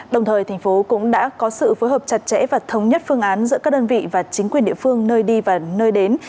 đồng thời thành phố cũng đã có sự phối hợp chặt chẽ và thống nhất phương án giữa các đơn vị và chính quyền địa phương nơi đi và nơi đến